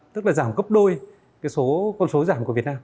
tức là giảm gấp đôi con số giảm của việt nam